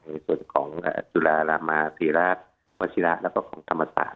ในส่วนของจุลละหละมาศรีราชไว้ชิราแล้วก็ของธรรมศาสตร์